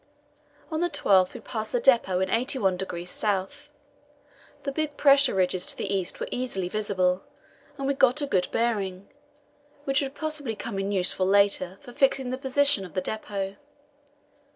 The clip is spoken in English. On the 12th we passed the depot in 81° S. The big pressure ridges to the east were easily visible, and we got a good bearing, which would possibly come in useful later for fixing the position of the depot.